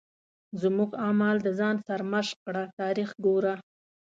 زموږ اعمال د ځان سرمشق کړه تاریخ ګوره.